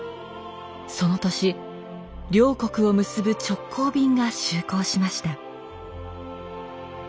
その年両国を結ぶ直行便が就航しました。